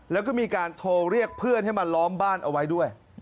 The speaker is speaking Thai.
แล้วก็มีการโทรเรียกเพื่อนให้มาล้อมบ้านเอาไว้ด้วย